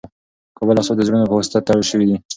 کابل او سوات د زړونو په واسطه تړل شوي دي.